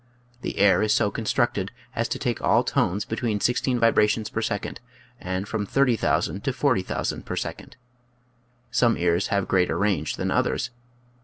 The air is so constructed as to take all tones between sixteen vibrations per second and from 30,000 to 40,000 per second. Some ears have greater range than others.